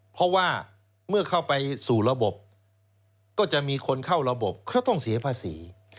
เพราะว่าเมื่อเข้าไปสู่ระบบก็จะมีคนเข้าระบบเขาต้องเสียภาษี